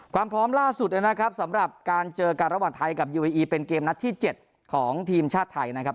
ความพร้อมล่าสุดนะครับสำหรับการเจอกันระหว่างไทยกับยูเออีเป็นเกมนัดที่๗ของทีมชาติไทยนะครับ